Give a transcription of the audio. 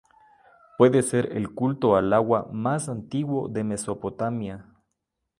Puede ser el culto al agua más antiguo de Mesopotamia.